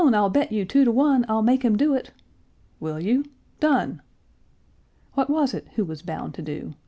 I'll bet you two to one I'll make him do it!" "Will you? Done!" What was it who was bound to do?